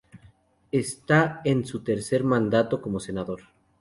Está en su tercer mandato como senador.